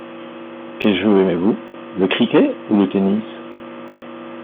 Quel jeu aimez-vous, le cricket ou le tennis ?